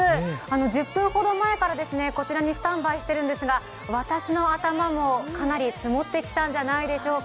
１０分ほど前からこちらにスタンバイしているんですが、私の頭もかなり積もってきたんじゃないでしょうか。